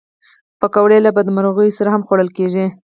پکورې له بدمرغیو سره هم خوړل کېږي